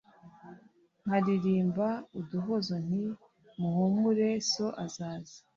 Nkalirimba uduhozo nti : muhumure so azaza